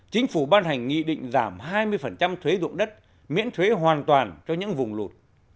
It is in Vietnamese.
chính phủ ban hành nghị định giảm hai mươi thuế dụng đất miễn thuế hoàn toàn cho những vùng lụt